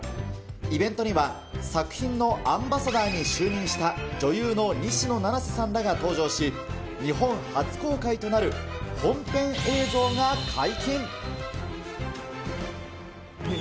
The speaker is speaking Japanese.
イベントには、作品のアンバサダーに就任した女優の西野七瀬さんらが登場し、日本初公開となる本編映像が解禁。